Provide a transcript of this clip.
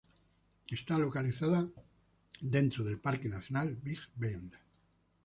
Está localizada dentro del Parque nacional Big Bend.